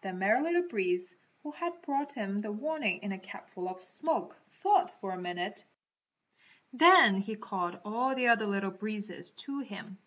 The Merry Little Breeze who had brought him the warning in a capful of smoke thought for a minute. Then he called all the other Little Breezes to him.